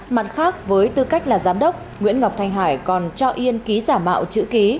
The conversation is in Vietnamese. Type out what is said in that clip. mặt khác với tư cách là giám đốc nguyễn ngọc thanh hải còn cho yên ký giả mạo chữ ký